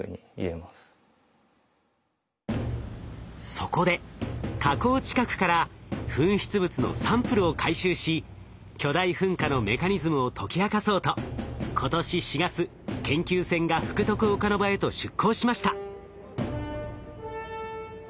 そこで火口近くから噴出物のサンプルを回収し巨大噴火のメカニズムを解き明かそうと今年４月研究船が福徳岡ノ場へと出航しました。